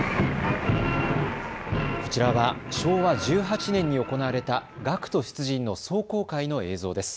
こちらは昭和１８年に行われた学徒出陣の壮行会の映像です。